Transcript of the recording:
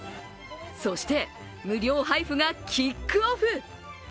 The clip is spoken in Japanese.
そして無料配布がキックオフ。